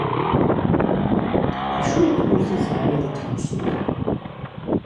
Acu n tmurt i tebɣiḍ ad d-tḥewṣeḍ?